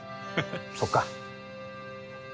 そっか。